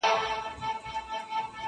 په عین و شین و قاف کي هغه ټوله جنتونه.